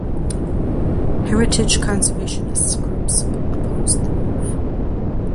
Heritage conservationists groups opposed the move.